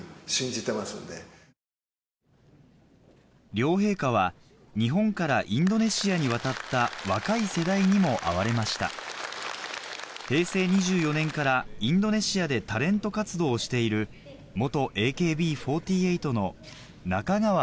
両陛下は日本からインドネシアに渡った若い世代にも会われました平成２４年からインドネシアでタレント活動をしているやっぱり。